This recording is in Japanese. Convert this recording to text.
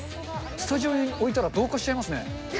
スタジオに置いたら、同化しちゃいますね。